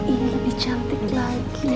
ini lebih cantik lagi